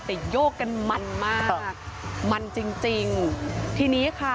แต่โยกกันมันมาก